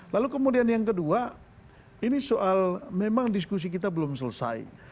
lalu kemudian yang kedua ini soal memang diskusi kita belum selesai